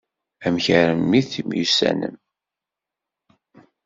Amek armi temyussanem?